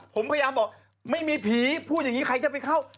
ผมพยายามบอกไม่มีผีพูดอย่างนี้ใครจะไปเข้า